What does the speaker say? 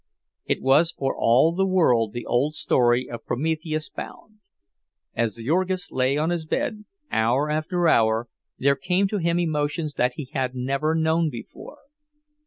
It was for all the world the old story of Prometheus bound. As Jurgis lay on his bed, hour after hour there came to him emotions that he had never known before.